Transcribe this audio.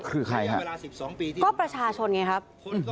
ก็ประชาชนไงครับ